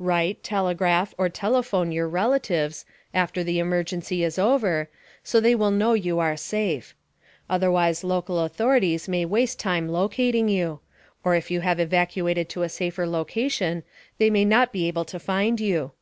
Write, telegraph or telephone your relatives, after the emergency is over, so they will know you are safe. Otherwise local authorities may waste time locating you or if you have evacuated to a safer location, they may not be able to find you.